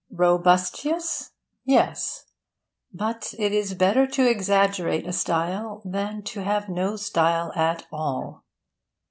Robustious? Yes. But it is better to exaggerate a style than to have no style at all.